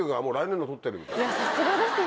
さすがですよね。